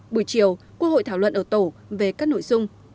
buổi chiều quốc hội thảo luận ở tổ về các nội dung